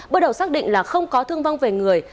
bước đầu xác định là không có thương vong về người